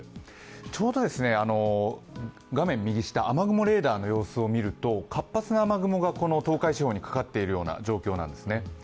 ちょうど画面右下、雨雲レーダーの様子を見ると活発な雨雲が東海地方にかかっているような状況なんですね。